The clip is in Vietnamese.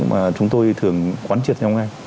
mà chúng tôi thường quán triệt nhau ngay